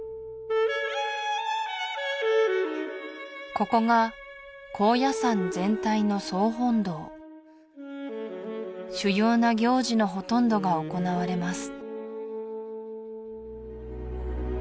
ここが高野山全体の総本堂主要な行事のほとんどが行われます